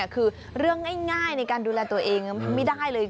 คือเรื่องง่ายในการดูแลตัวเองไม่ได้เลย